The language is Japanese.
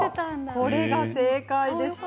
これが正解でした。